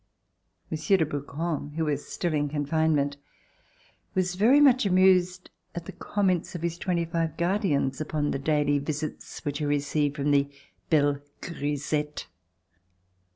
Mon sieur de Brouquens, who was still in confinement, was very much amused at the comments of his twenty five guardians upon the daily visits which he received from the helle grisetie.